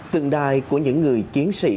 tượng đài của những người chiến sĩ